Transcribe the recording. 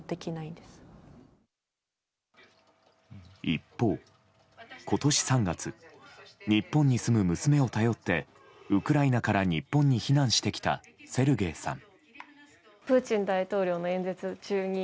一方、今年３月日本に住む娘を頼ってウクライナから日本に避難してきたセルゲイさん。